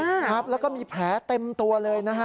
ใช่ครับแล้วก็มีแผลเต็มตัวเลยนะฮะ